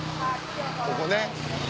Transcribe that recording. ここね。